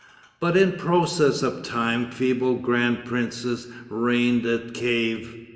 But in process of time feeble grand princes reigned at Kief.